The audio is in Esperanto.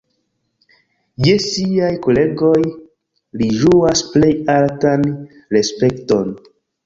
Je siaj kolegoj li ĝuas plej altan respekton.